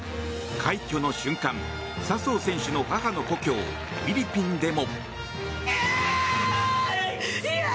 快挙の瞬間、笹生選手の母の故郷フィリピンでも。